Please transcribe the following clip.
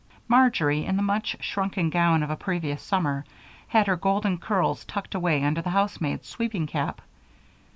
Marjory, in the much shrunken gown of a previous summer, had her golden curls tucked away under the housemaid's sweeping cap.